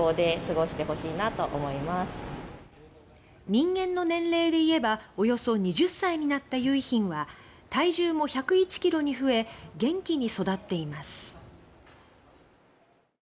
人間の年齢で言えばおよそ２０歳になった「結浜」は体重も１０１ｋｇに増え元気に育っています。